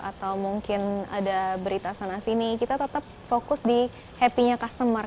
atau mungkin ada berita sana sini kita tetap fokus di happy nya customer